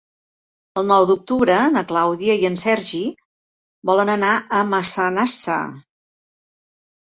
El nou d'octubre na Clàudia i en Sergi volen anar a Massanassa.